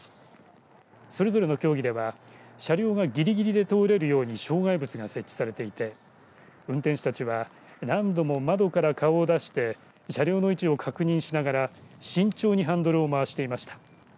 それぞれの競技では車両がぎりぎりで通れるように障害物が設置されていて運転手たちは何度も窓から顔を出して車両の位置を確認しながら慎重にハンドルを回していました。